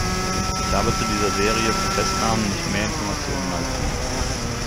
Ich habe zu dieser Serie von Festnahmen nicht mehr Informationen als Sie.